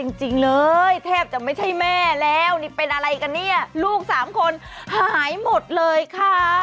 จริงเลยแทบจะไม่ใช่แม่แล้วนี่เป็นอะไรกันเนี่ยลูกสามคนหายหมดเลยค่ะ